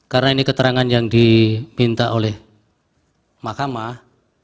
karena ini keterangan yang diminta oleh mahkamah